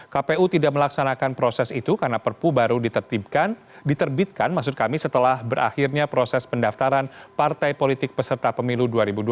kpu tidak melaksanakan proses itu karena perpu baru diterbitkan maksud kami setelah berakhirnya proses pendaftaran partai politik peserta pemilu dua ribu dua puluh